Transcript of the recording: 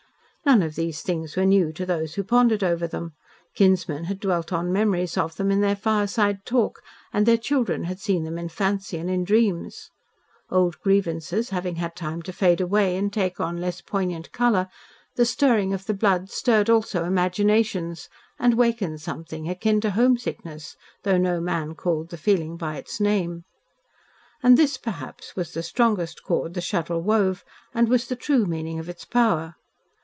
None of these things were new to those who pondered over them, kinsmen had dwelt on memories of them in their fireside talk, and their children had seen them in fancy and in dreams. Old grievances having had time to fade away and take on less poignant colour, the stirring of the blood stirred also imaginations, and wakened something akin to homesickness, though no man called the feeling by its name. And this, perhaps, was the strongest cord the Shuttle wove and was the true meaning of its power.